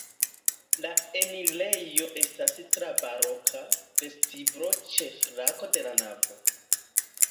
La enirejo estas tra baroka vestiblo ĉe flanko de la navo.